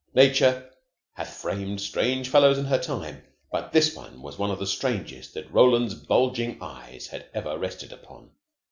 Nature hath framed strange fellows in her time, and this was one of the strangest that Roland's bulging eyes had ever rested upon.